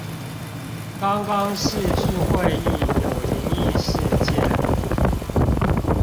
剛剛視訊會議有靈異事件